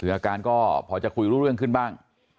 คืออาการก็พอจะคุยรู้เรื่องขึ้นบ้าง